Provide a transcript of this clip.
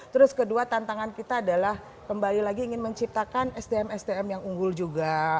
terus kedua tantangan kita adalah kembali lagi ingin menciptakan sdm sdm yang unggul juga